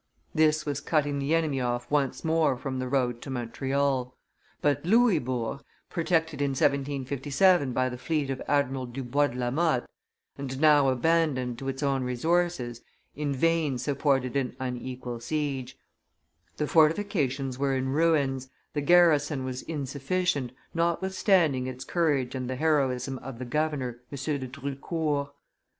This was cutting the enemy off once more from the road to Montreal; but Louisbourg, protected in 1757 by the fleet of Admiral Dubois de la Motte, and now abandoned to its own resources, in vain supported an unequal siege; the fortifications were in ruins, the garrison was insufficient notwithstanding its courage and the heroism of the governor, M. de Drucourt.